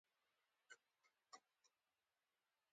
پټ ځواکونه به تر ایرو لاندې پاتې شي.